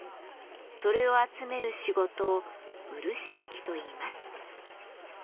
それを集める仕事を「漆かき」といいます。